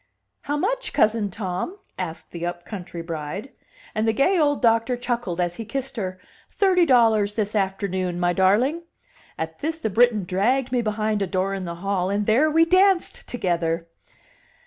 "How much, cousin Tom?" asked the upcountry bride. And the gay old doctor chuckled, as he kissed her: "Thirty dollars this afternoon, my darling." At this the Briton dragged me behind a door in the hall, and there we danced together.